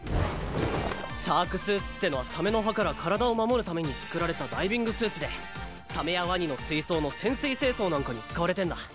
シャークスーツってのはサメの歯から体を守るために作られたダイビングスーツでサメやワニの水槽の潜水清掃なんかに使われてんだ